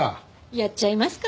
やっちゃいますか。